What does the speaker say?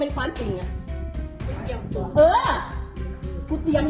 อาหารที่สุดท้าย